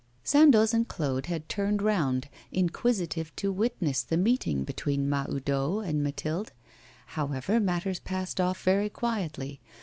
Sandoz and Claude had turned round, inquisitive to witness the meeting between Mahoudeau and Mathilde. However, matters passed off very quietly.